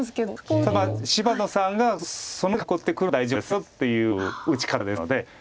ただまあ芝野さんが「その手で囲ってくるのは大丈夫ですよ」っていう打ち方ですので。